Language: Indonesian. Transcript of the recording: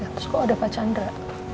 terus kok ada pak chandra